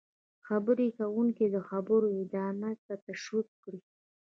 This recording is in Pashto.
-خبرې کوونکی د خبرو ادامې ته تشویق کړئ: